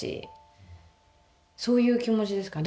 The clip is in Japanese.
そういう気持ちですかね。